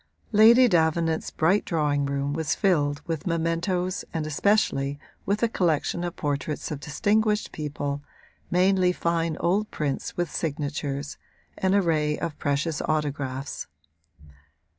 Lady Davenant's bright drawing room was filled with mementoes and especially with a collection of portraits of distinguished people, mainly fine old prints with signatures, an array of precious autographs.